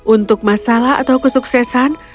untuk masalah atau kesuksesan